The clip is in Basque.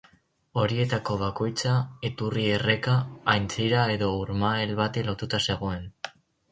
Horietako bakoitza, iturri, erreka, aintzira edo urmael bati lotuta zegoen.